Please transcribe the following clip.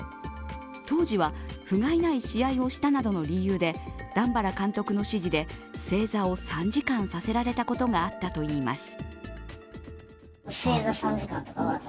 当時は、ふがいない試合をしたなどの理由で段原監督の指示で正座を３時間させられたことがあったといいます。